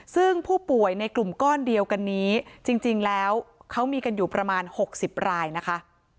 ซึ่งผู้ป่วยในกลุ่มก้อนเดียวกันนี้จริงแล้วเขามีกันอยู่ประมาณ๖๐รายนะคะ